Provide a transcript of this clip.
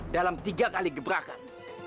dalam tiga kali gebrakan